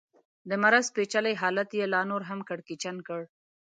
د مرض پېچلی حالت یې لا نور هم کړکېچن کړ.